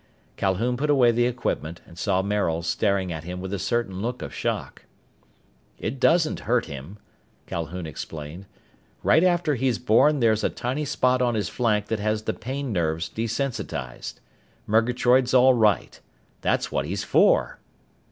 Calhoun put away the equipment and saw Maril staring at him with a certain look of shock. "It doesn't hurt him," Calhoun explained. "Right after he's born there's a tiny spot on his flank that has the pain nerves desensitized. Murgatroyd's all right. That's what he's for!"